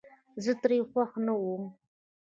زه ترې خوښ نه ووم